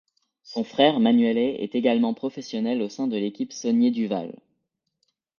Son frère Manuele est également professionnel au sein de l'équipe Saunier Duval.